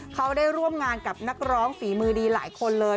เขาได้ร่วมงานกับนักร้องฝีมือดีหลายคนเลย